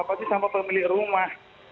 apa sih sama pemilik rumah